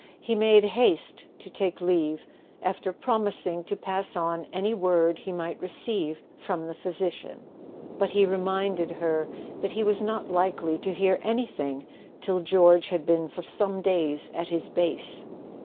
He made haste to take leave, after promising to pass on any word he might receive from the physician; but he reminded her that he was not likely to hear any¬ thing till George had been for some days at his base.